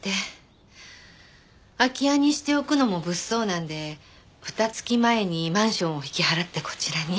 空き家にしておくのも物騒なんで２月前にマンションを引き払ってこちらに。